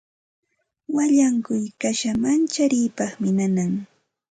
Wallankuy kasha mancharipaqmi nanan.